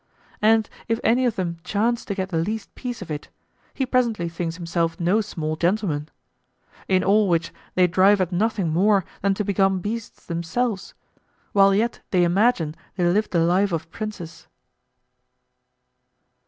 And if any of them chance to get the least piece of it, he presently thinks himself no small gentleman. In all which they drive at nothing more than to become beasts themselves, while yet they imagine they live the life of princes.